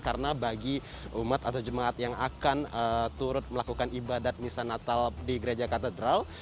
karena bagi umat atau jemaat yang akan turut melakukan ibadat misa natal di gereja katedral